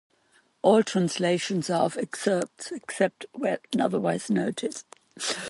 All translations are of excerpts except where otherwise noted.